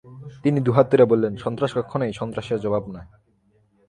তিনি দুহাত তুলে বললেন - স্বন্ত্রাস কখনেই স্বন্ত্রাসের জবাব নয়।